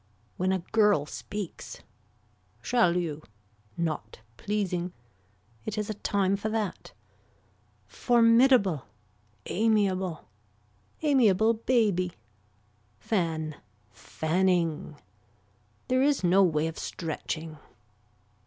When a girl speaks. Shall you. Not pleasing. It is a time for that. Formidable. Amiable. Amiable baby. Fan. Fanning. There is no way of stretching.